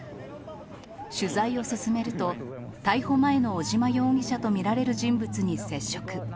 取材を進めると、逮捕前の尾島容疑者と見られる人物に接触。